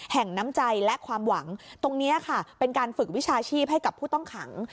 น้ำใจและความหวังตรงนี้ค่ะเป็นการฝึกวิชาชีพให้กับผู้ต้องขัง